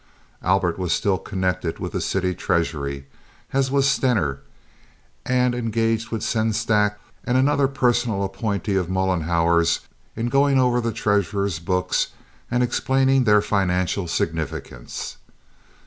Albert was still connected with the city treasury, as was Stener, and engaged with Sengstack and another personal appointee of Mollenhauer's in going over the treasurer's books and explaining their financial significance.